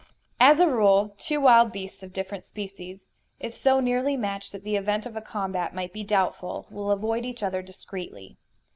As a rule, two wild beasts of different species, if so nearly matched that the event of a combat might be doubtful, will avoid each other discreetly.